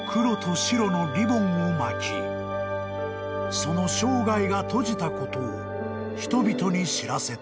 ［その生涯が閉じたことを人々に知らせた］